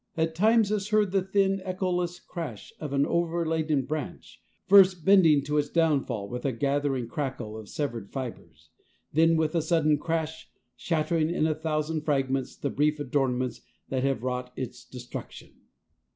At times is heard the thin, echoless crash of an overladen branch, first bending to its downfall with a gathering crackle of severed fibres, then with a sudden crash, shattering in a thousand fragments the brief adornments that have wrought its destruction.